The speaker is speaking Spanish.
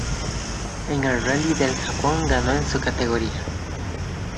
En el rally del Japón ganó en su categoría.